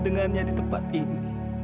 dengannya di tempat ini